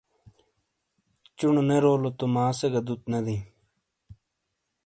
چونو نے رولو تو ماں سے گہ دُوت نے دئیی ۔